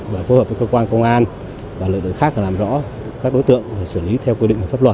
và phối hợp với cơ quan công an và lợi đối khác làm rõ các đối tượng và xử lý theo quy định và pháp luật